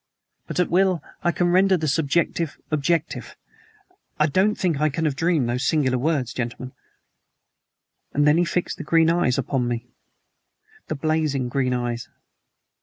'But at will I can render the subjective objective.' I don't think I can have dreamed those singular words, gentlemen. "And then he fixed the green eyes upon me the blazing green eyes.